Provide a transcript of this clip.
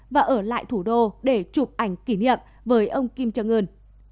và ở lại thủ đô để chụp ảnh kỷ niệm với ông kim jong un